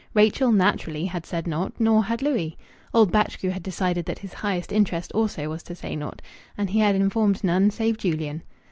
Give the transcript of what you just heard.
Rachel, naturally, had said naught; nor had Louis. Old Batchgrew had decided that his highest interest also was to say naught, and he had informed none save Julian.